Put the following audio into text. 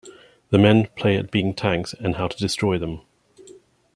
The men play at being tanks and how to destroy them.